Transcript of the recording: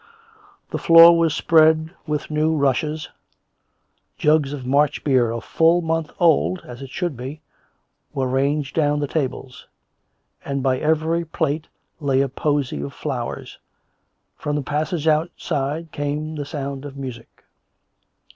The floor was spread with new rushes; jugs of March beer, a full month old, as it should be, were ranged down the tables; and by every plate lay a posy of flowers. From the passage outside came the sound of music.